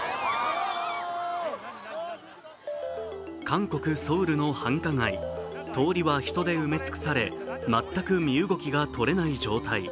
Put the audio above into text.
韓国・ソウルの繁華街通りは人で埋め尽くされ全く身動きが取れない状態。